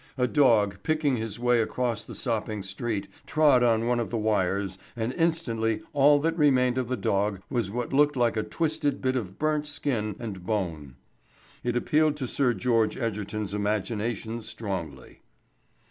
A dog, picking his way across the sopping street, trod on one of the wires, and instantly all that remained of the dog was what looked like a twisted bit of burnt skin and bone. It appealed to Sir George Egerton's imagination strongly.